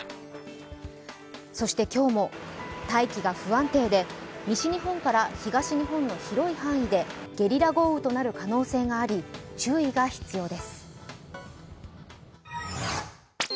そして今日も大気が不安定で西日本から東日本の広い範囲でゲリラ豪雨となる可能性ががあり、注意が必要です。